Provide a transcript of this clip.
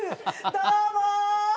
どうも。